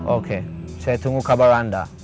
oke saya tunggu kabar anda